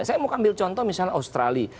saya mau ambil contoh misalnya australia